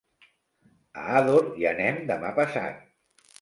A Ador hi anem demà passat.